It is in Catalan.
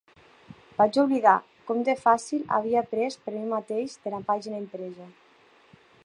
Vaig oblidar com de fàcil havia après per mi mateix de la pàgina impresa.